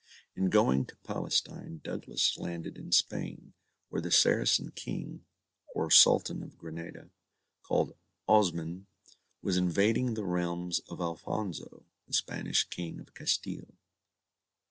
In going to Palestine Douglas landed in Spain, where the Saracen King, or Sultan of Granada, called Osmyn, was invading the realms of Alphonso, the Spanish King of Castile.